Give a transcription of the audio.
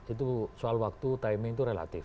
itu soal waktu timing itu relatif